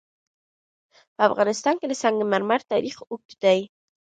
په افغانستان کې د سنگ مرمر تاریخ اوږد دی.